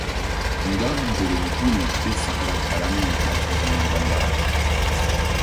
Ndɔl mberem hul ké sakra karaŋri ɓa hȩkme mbamba.